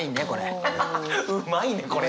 ハハうまいねこれ。